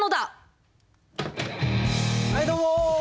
はいどうも！